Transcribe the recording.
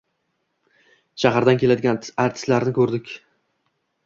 Shahardan keladigan artistlarni ro’rdik.